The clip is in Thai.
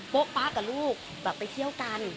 ป๊ากับลูกแบบไปเที่ยวกัน